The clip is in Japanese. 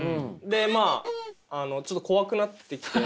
でまあちょっと怖くなってきて。